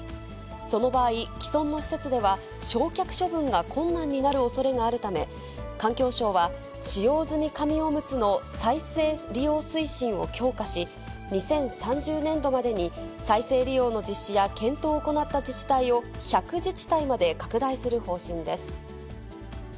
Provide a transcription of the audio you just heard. その場合、既存の施設では、焼却処分が困難になるおそれがあるため、環境省は、使用済み紙おむつの再生利用推進を強化し、２０３０年度までに、再生利用の実施や検討を行った自治体を、１００自治体まで拡大する方針です。